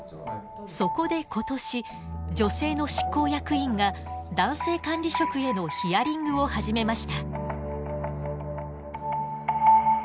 そこで今年女性の執行役員が男性管理職へのヒアリングを始めました。